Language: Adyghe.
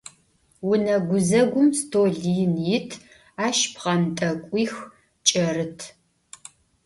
Vune guzegum stol yin yit, aş pxhent'ek'uix ç'erıt.